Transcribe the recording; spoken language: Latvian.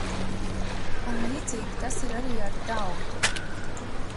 Un līdzīgi tas ir arī ar tautu.